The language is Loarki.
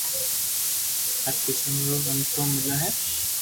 هر قسم رو رمتون ملو هي